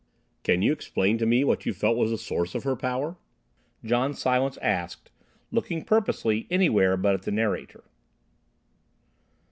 "Can you explain to me what you felt was the source of her power?" John Silence asked, looking purposely anywhere but at the narrator.